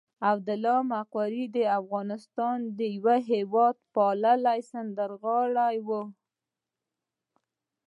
عبدالله مقری د افغانستان یو هېواد پاله سندرغاړی وو.